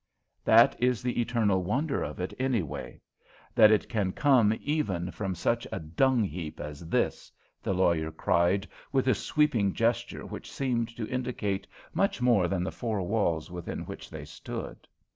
"That is the eternal wonder of it, anyway; that it can come even from such a dung heap as this," the lawyer cried, with a sweeping gesture which seemed to indicate much more than the four walls within which they stood.